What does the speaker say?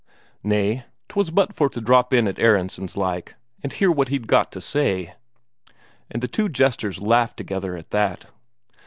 "Nay. 'Twas but for to drop in at Aronsen's like, and hear what he'd got to say." And the two jesters laughed together at that.